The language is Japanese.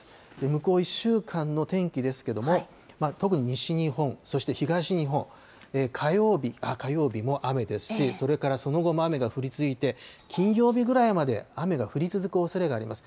向こう１週間の天気ですけども、特に西日本、そして東日本、火曜日も雨ですし、それからその後も雨が降り続いて、金曜日ぐらいまで雨が降り続くおそれがあります。